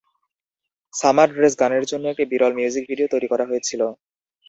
Summer dress গানের জন্য একটি বিরল মিউজিক ভিডিও তৈরি করা হয়েছিল।